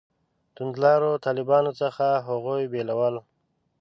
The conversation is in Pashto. توندلارو طالبانو څخه هغوی بېلول.